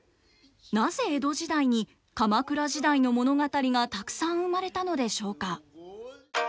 なぜ江戸時代に鎌倉時代の物語がたくさん生まれたのでしょうか。